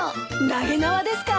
投げ縄ですか？